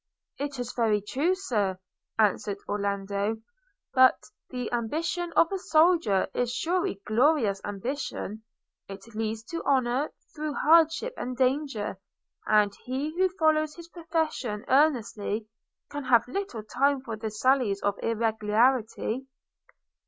'It is very true, Sir,' answered Orlando: 'but the ambition of a soldier is surely glorious ambition; it leads to honour through hardship and danger; and he who follows his profession earnestly, can have little time for the sallies of irregularity.'